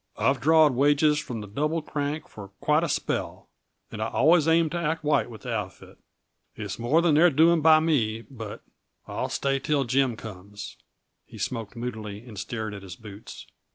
"I've drawed wages from the Double Crank for quite a spell, and I always aimed to act white with the outfit. It's more than they're doing by me, but I'll stay till Jim comes." He smoked moodily, and stared at his boots.